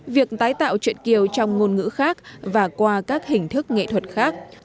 việc tái tạo truyện kiều trong ngôn ngữ khác và qua các hình thức nghệ thuật khác